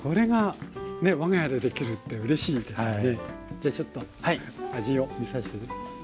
じゃあちょっと味を見さしてね。